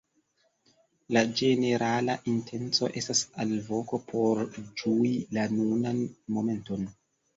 La ĝenerala intenco estas alvoko por ĝui la nunan momenton.